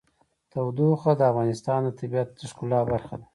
تودوخه د افغانستان د طبیعت د ښکلا برخه ده.